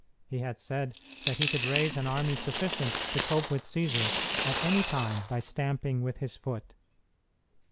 He had said that he could raise an army sufficient to cope with Cćsar at any time by stamping with his foot.